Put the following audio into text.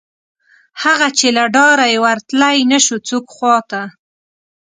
هغه، چې له ډاره یې ورتلی نشو څوک خواته